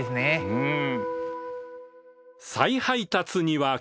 うん。